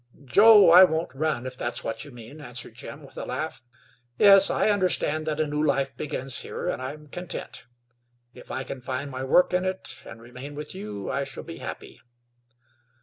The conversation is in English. "Joe, I won't run, if that's what you mean," answered Jim, with a laugh. "Yes, I understand that a new life begins here, and I am content. If I can find my work in it, and remain with you, I shall be happy."